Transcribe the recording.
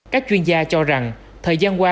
các chuyên gia cho rằng thời gian qua